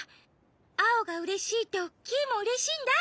アオがうれしいとキイもうれしいんだ。